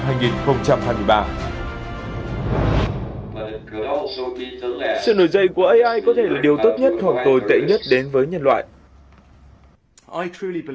sự nổi dậy của ai có thể là điều tốt nhất hoặc tồi tệ nhất đến với nhân loại